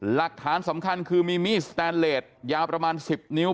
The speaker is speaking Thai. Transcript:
หลักฐานสำคัญคือมีมีดสแตนเลสยาวประมาณ๑๐นิ้ว